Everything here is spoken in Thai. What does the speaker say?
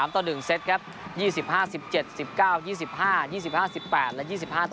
ต่อ๑เซตครับ๒๕๑๗๑๙๒๕๒๕๑๘และ๒๕ต่อ